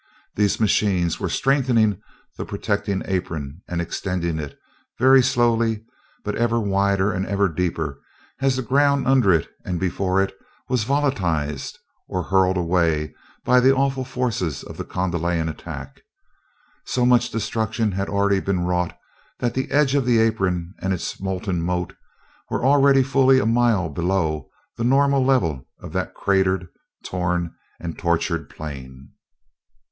These machines were strengthening the protecting apron and extending it, very slowly, but ever wider and ever deeper as the ground under it and before it was volatilized or hurled away by the awful forces of the Kondalian attack. So much destruction had already been wrought that the edge of the apron and its molten moat were already fully a mile below the normal level of that cratered, torn, and tortured plain.